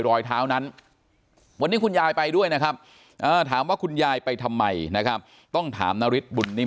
รอยเท้านั้นวันนี้คุณยายไปด้วยนะครับถามว่าคุณยายไปทำไมนะครับต้องถามนาริสบุญนิ่